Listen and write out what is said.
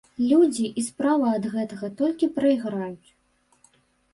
Людзі і справа ад гэтага толькі прайграюць.